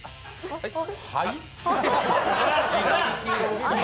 はい？